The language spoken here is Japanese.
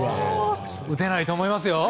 打てないと思いますよ。